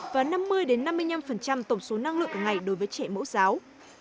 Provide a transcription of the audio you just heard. và năm mươi năm mươi năm tổng số năng lượng ngày đối với trẻ mẫu giáo